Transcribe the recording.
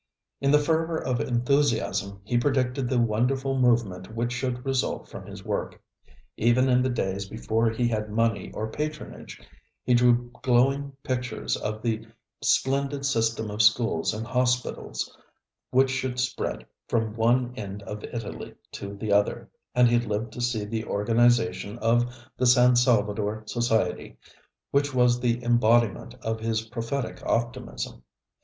In the fervor of enthusiasm he predicted the wonderful movement which should result from his work. Even in the days before he had money or patronage, he drew glowing pictures of the splendid system of schools and hospitals which should spread from one end of Italy to the other, and he lived to see the organization of the San Salvador Society, which was the embodiment of his prophetic optimism.